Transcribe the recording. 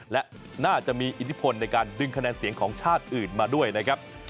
และน่าจะมีอิทธิพลในการดึงคะแนนเสียงของชาติอื่นมาด้วยนะครับ